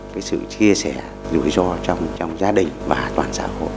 giúp đỡ sự chia sẻ rủi ro trong gia đình và toàn xã hội